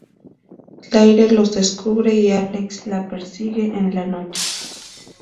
Claire los descubre, y Alex la persigue en la noche.